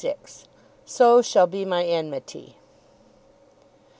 "SO SHALL BE MY ENMITY."